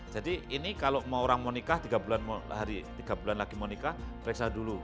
jadi ini kalau mau orang mau nikah tiga bulan lagi mau nikah periksa dulu